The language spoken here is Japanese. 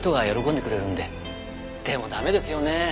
でもダメですよね。